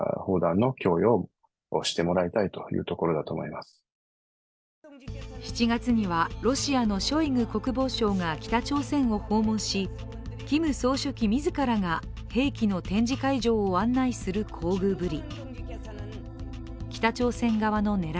まず、ロシア側については７月には、ロシアのショイグ国防相が北朝鮮を訪問しキム総書記自らが兵器の展示会場を案内する厚遇ぶり。